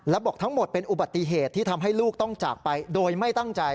และบอกทั้งหมดเป็นอุบัติเหตุที่ทำให้ลูกต้องจากไปโดยไม่ตั้งใจ